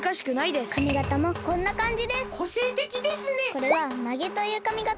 これは髷というかみがたです。